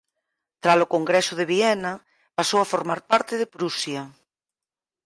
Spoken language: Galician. Tralo congreso de Viena pasou a formar parte de Prusia.